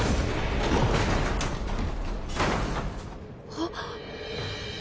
あっ